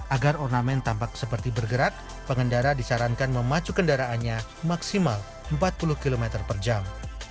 agar ornamen tampak seperti bergerak pengendara disarankan memacu kendaraannya maksimal empat puluh km per jam